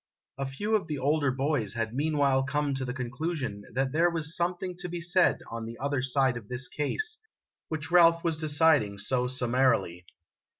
A few of the older boys had meanwhile come to the conclusion that there was something to be said on the other side of this case <j which Ralph was deciding so summarily.